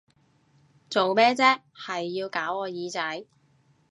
做咩啫，係要搞我耳仔！